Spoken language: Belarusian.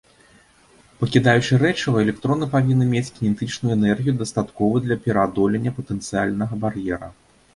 Пакідаючы рэчыва, электроны павінны мець кінетычную энергію, дастатковую для пераадолення патэнцыяльнага бар'ера.